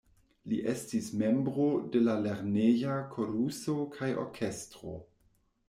Li estis membro de la lerneja koruso kaj orkestro.